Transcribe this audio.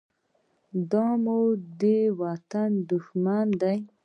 دا مو د وطن دښمن دى.